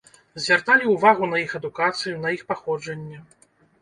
Звярталі ўвагу на іх адукацыю, на іх паходжанне.